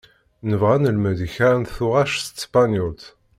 Nebɣa ad nelmed kra n tuɣac s tsepenyult.